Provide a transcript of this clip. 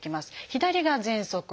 左がぜんそく。